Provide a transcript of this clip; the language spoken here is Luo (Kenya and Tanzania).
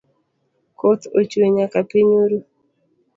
Koth ochwe nyaka piny oru